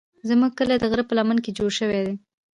زموږ کلی د غره په لمنه کې جوړ شوی دی.